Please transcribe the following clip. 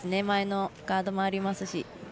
前のガードもありますし。